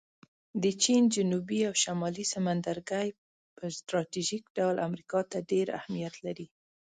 د چین جنوبي او شمالي سمندرګی په سټراټیژیک ډول امریکا ته ډېر اهمیت لري